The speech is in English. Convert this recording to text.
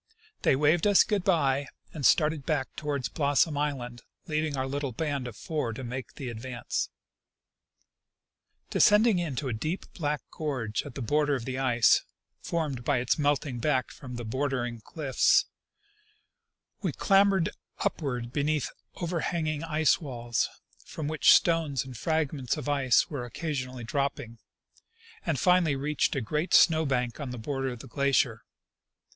They waveclus '" good bye " and started back toward Blossom island, leaving our little band of four to make the advance. Descending into a deep black gorge at the border of the ice, formed by its melting back from the bordering cliffs, we clam bered upward beneath overhanging ice walls, from which stones and fragments of ice were occasionally dropping, and finally reached a great snow bank on the border of the glacier.